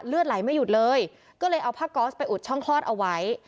เลือดไหลไม่หยุดเลยก็เลยเอาผ้าก๊อสไปอุดช่องคลอดเอาไว้